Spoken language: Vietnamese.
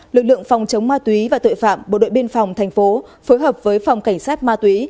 lực lượng phòng chống ma túy và tội phạm bộ đội biên phòng thành phố phối hợp với phòng cảnh sát ma túy